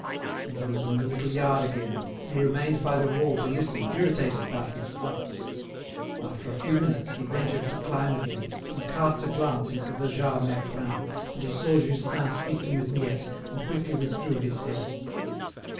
When he was in the little yard again, he remained by the wall to listen, irritated by his flight. After a few minutes he ventured to climb again and cast a glance into the Jas Meiffren, but he saw Justin speaking with Miette, and quickly withdrew his head.